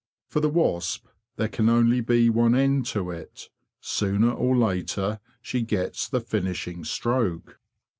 For the wasp there can only be one end to it. Sooner or later she gets the finishing stroke.